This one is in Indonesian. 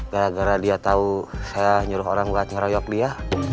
gara gara dia tahu saya nyuruh orang gak nyeroyok dia